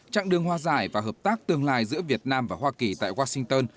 trạng đường hoa giải và hợp tác tương lai giữa việt nam và hoa kỳ tại washington